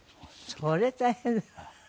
それ大変。